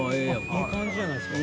いい感じじゃないっすか。